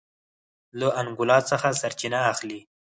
له انګولا څخه سرچینه اخلي.